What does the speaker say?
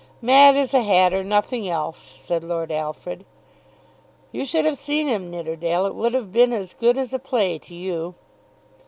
"Mad as a hatter; nothing else," said Lord Alfred. "You should have seen him, Nidderdale. It would have been as good as a play to you."